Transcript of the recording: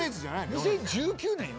２０１９年よ。